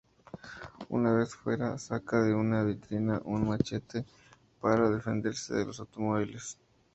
Una vez fuera, saca de una vitrina un machete, para defenderse de los automóviles.